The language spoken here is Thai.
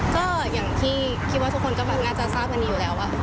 ก็อย่างที่คิดว่าทุกคนก็แบบน่าจะทราบกันดีอยู่แล้ว